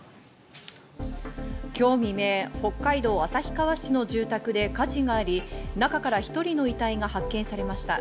今日未明、北海道旭川市の住宅で火事があり、中から１人の遺体が発見されました。